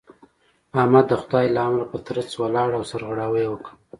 احمد د خدای له امره په ترڅ ولاړ او سرغړاوی يې وکړ.